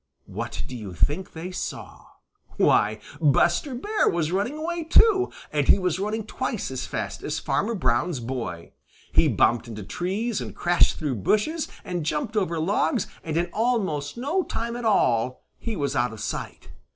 What do you think they saw? Why, Buster Bear was running away too, and he was running twice as fast as Farmer Brown's boy! He bumped into trees and crashed through bushes and jumped over logs, and in almost no time at all he was out of sight.